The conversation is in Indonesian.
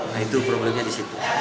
nah itu problemnya di situ